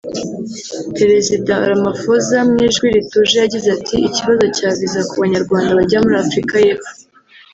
Perezida Ramaphosa mu ijwi rituje yagize ati “Ikibazo cya viza ku Banyarwanda bajya muri Afurika y’Epfo